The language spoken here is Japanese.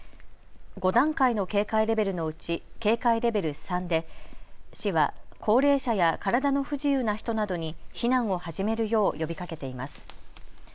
５段階の警戒レベルのうち警戒レベル３で市は高齢者や体の不自由な人などに避難を始めるよう呼びかけています。